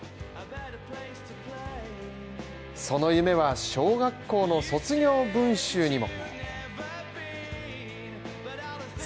その夢は小学校の卒業文集にも。